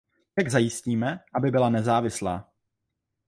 Jak zajistíme, aby byla nezávislá?